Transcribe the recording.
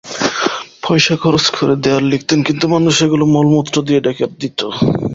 পয়সা খরচ করে দেয়াল লিখতেন, কিন্তু মানুষ সেগুলো মলমূত্র দিয়ে ঢেকে দিত।